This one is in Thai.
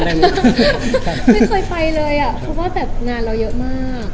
ไม่เคยไปเลยเพราะงานเราเยอะมาก